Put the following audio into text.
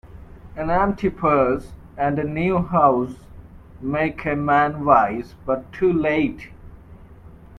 An empty purse, and a new house, make a man wise, but too late.